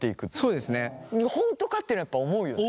「本当か？」っていうのはやっぱ思うよね？